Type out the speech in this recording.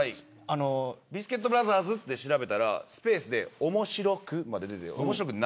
ビスケットブラザーズで調べるとスペースで面白くまで出てくる。